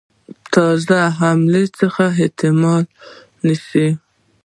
د تازه حملې هیڅ احتمال نسته.